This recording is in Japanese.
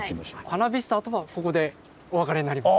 ハナビスターとはここでお別れになります。